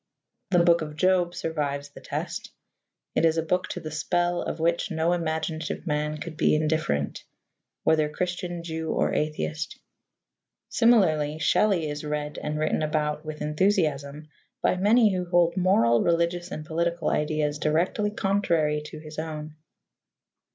The Book of Job survives the test: it is a book to the spell of which no imaginative man could be indifferent, whether Christian, Jew or atheist. Similarly, Shelley is read and written about with enthusiasm by many who hold moral, religious, and political ideas directly contrary to his own.